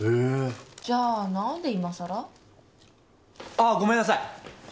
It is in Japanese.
ああごめんなさい。